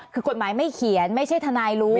คือกฎหมายไม่เขียนไม่ใช่ทนายรู้